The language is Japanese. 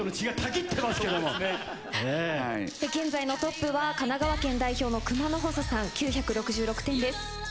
現在のトップは神奈川県代表の熊之細さん９６６点です。